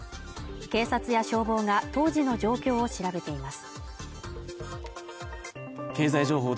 警察や消防が当時の状況を調べています